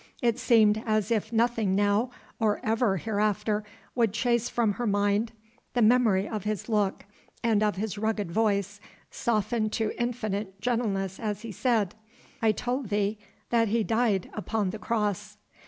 It seemed as if nothing now or ever hereafter would chase from her mind the memory of his look and of his rugged voice, softened to infinite gentleness as he said: "I told thee that He died upon the Cross."